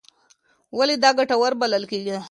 ولې دا ګټور بلل کېږي؟